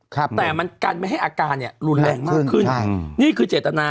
ครับแต่มันกันไม่ให้อาการเนี้ยรุนแรงมากขึ้นอืมนี่คือเจตนา